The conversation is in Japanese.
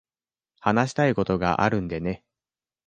話したいことがあるんでね。